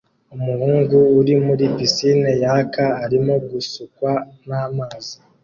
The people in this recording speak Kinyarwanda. umuhungu uri muri pisine yaka arimo gusukwa namazi